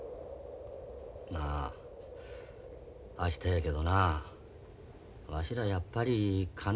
なあ明日やけどなわしらやっぱりかね